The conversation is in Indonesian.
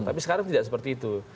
tapi sekarang tidak seperti itu